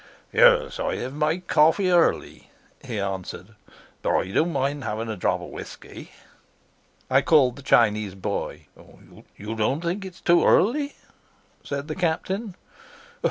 "Yes; I have my coffee early," he answered, "but I don't mind having a drop of whisky." I called the Chinese boy. "You don't think it's too early?" said the Captain.